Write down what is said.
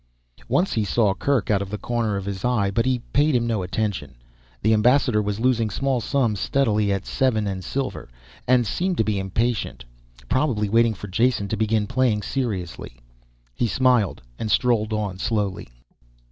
Once he saw Kerk out of the corner of his eye but he paid him no attention. The ambassador was losing small sums steadily at seven and silver and seemed to be impatient. Probably waiting for Jason to begin playing seriously. He smiled and strolled on slowly.